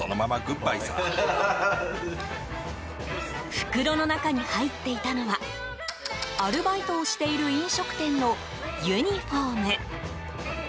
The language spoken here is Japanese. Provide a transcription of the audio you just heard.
袋の中に入っていたのはアルバイトをしている飲食店のユニホーム。